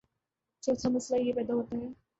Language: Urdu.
چوتھا مسئلہ یہ پیدا ہوتا ہے